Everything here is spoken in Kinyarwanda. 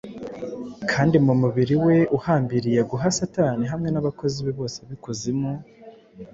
Kandi mumubiri we uhambiriye guha satani hamwe nabakozi be bose b'ikuzimu;